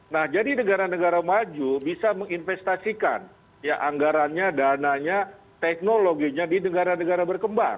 nah jadi negara negara maju bisa menginvestasikan ya anggarannya dananya teknologinya di negara negara berkembang